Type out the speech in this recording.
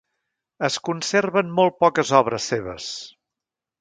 Es conserven molt poques obres seves.